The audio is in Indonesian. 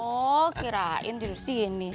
oh kirain di sini